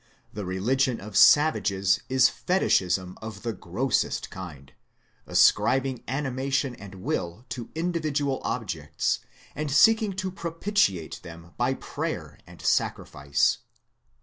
The religion of savages is Fetichism of the grossest kind, ascribing animation and will to individual objects, and seeking to propitiate them by prayer and sacrifice.